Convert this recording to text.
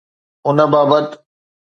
ان بابت